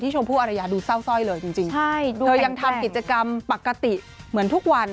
ชมพู่อารยาดูเศร้าสร้อยเลยจริงเธอยังทำกิจกรรมปกติเหมือนทุกวัน